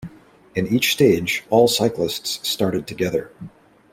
In each stage, all cyclists started together.